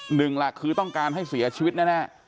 หนึ่งหลักคือต้องการให้เสียชีวิตแน่